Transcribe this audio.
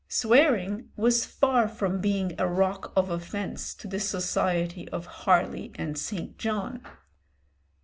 Swearing was far from being a rock of offence to the society of Harley and St. John.